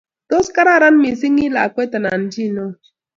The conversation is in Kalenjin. Tos, gararan missing Ii lakwet anan chii neo?